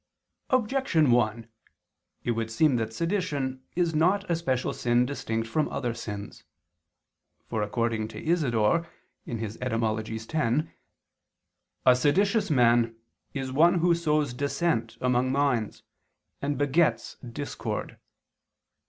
Objection 1: It would seem that sedition is not a special sin distinct from other sins. For, according to Isidore (Etym. x), "a seditious man is one who sows dissent among minds, and begets discord."